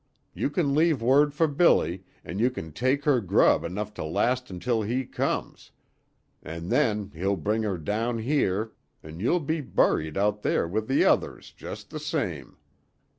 You can leave word for Billy, an' you can take her grub enough to last until he comes, an' then he'll bring her down here, an' you'll be buried out there with the others just the same.'